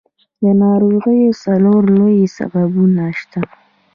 د ناروغیو څلور لوی سببونه شته.